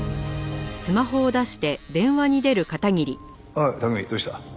ああ拓海どうした？